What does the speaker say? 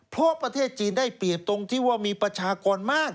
เพราะประเทศจีนได้เปรียบตรงที่ว่ามีประชากรมาก